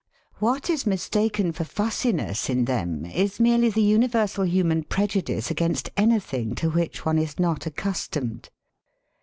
What is mistaken for fussiness in them is merely the uni versal human prejudice against anything to which one is not accustomed.